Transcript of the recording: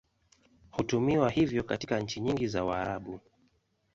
Hutumiwa hivyo katika nchi nyingi za Waarabu.